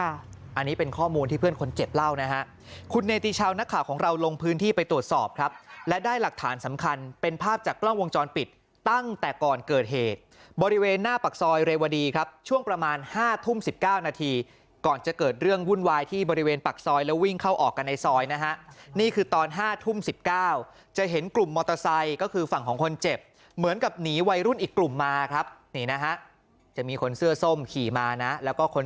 อันนี้เป็นข้อมูลที่เพื่อนคนเจ็บเล่านะฮะคุณในตีเช้านักข่าวของเราลงพื้นที่ไปตรวจสอบครับและได้หลักฐานสำคัญเป็นภาพจากกล้องวงจรปิดตั้งแต่ก่อนเกิดเหตุบริเวณหน้าปากซอยเรวดีครับช่วงประมาณ๕ทุ่ม๑๙นาทีก่อนจะเกิดเรื่องวุ่นวายที่บริเวณปากซอยแล้ววิ่งเข้าออกกันในซอยนะฮะนี่คือตอน๕